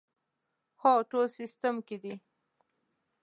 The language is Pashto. هو، ټول سیسټم کې دي